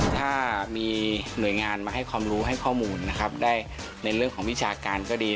ถ้ามีหน่วยงานมาให้ความรู้ให้ข้อมูลนะครับได้ในเรื่องของวิชาการก็ดี